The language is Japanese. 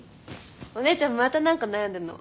お姉ちゃんまた何か悩んでんの？